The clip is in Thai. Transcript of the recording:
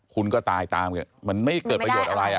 คุณก็ตายตามมันไม่เกิดประโยชน์อะไร